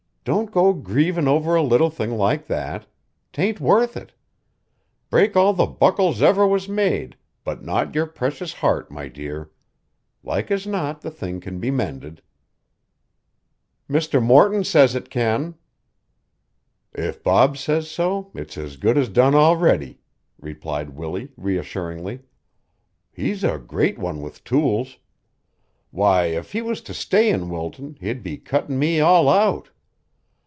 "Don't go grievin' over a little thing like that. 'Tain't worth it. Break all the buckles ever was made, but not your precious heart, my dear. Like as not the thing can be mended." "Mr. Morton says it can." "If Bob says so, it's as good as done already," replied Willie reassuringly. "He's a great one with tools. Why, if he was to stay in Wilton, he'd be cuttin' me all out.